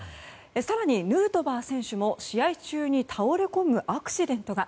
更に、ヌートバー選手も試合中に倒れ込むアクシデントが。